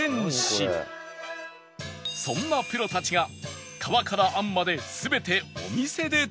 そんなプロたちが皮から餡まで全てお店で手作り